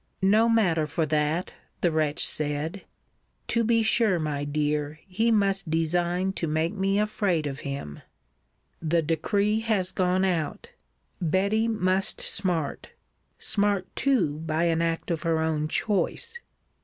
No matter for that, the wretch said [To be sure, my dear, he must design to make me afraid of him]: The decree was gone out Betty must smart smart too by an act of her own choice.